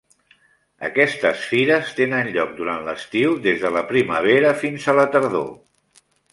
Aquestes fires tenen lloc durant l'estiu, des de la primavera fins a la tardor.